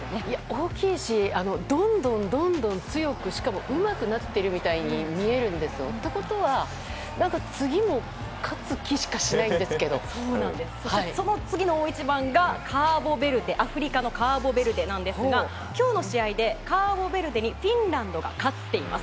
大きいし、どんどん強く、しかもうまくなっているみたいに見えるんです。ということは次も勝つ気しかその次の大一番がアフリカのカーボベルデですが今日の試合でカーボベルデがフィンランドが勝っています。